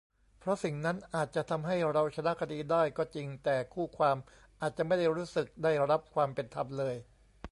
เพราะสิ่งนั้นอาจจะทำให้เราชนะคดีได้ก็จริง แต่คู่ความอาจจะไม่ได้รู้สึกได้รับความเป็นธรรมเลย